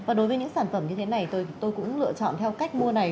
và đối với những sản phẩm như thế này thì tôi cũng lựa chọn theo cách mua này